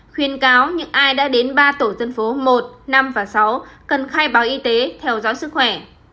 khuyên cáo những ai đã đến ba tổ dân phố một năm và sáu cần khai báo y tế theo dõi sức khỏe